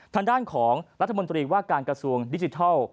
ทางด้านของรัฐมนตรีว่าการกระทรวงดิจิทัล